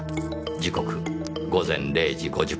時刻午前０時５０分。